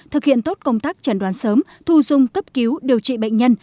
thực hiện tốt công tác chẩn đoán sớm thu dung cấp cứu điều trị bệnh nhân